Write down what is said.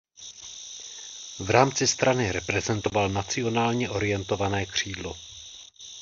V rámci strany reprezentoval nacionálně orientované křídlo.